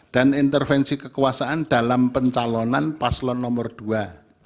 dan intervensi kekuasaan dalam pencalonan paslon nomor dua